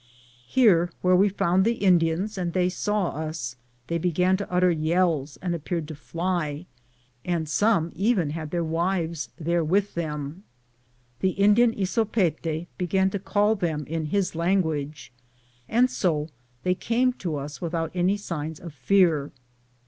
Here where we found the Indians and they saw us, they began to utter yells and appeared to fly, and some even had their wives there with them. The Indian Isopete began to call them in his language, and so they came to us without any signs of fear.